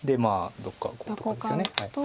どっかこうとかですよね。